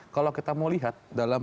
kalau kita mau lihat dalam